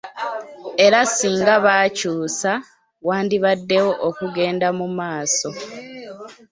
Era singa bakyusa wandibaddewo okugenda mumaaso.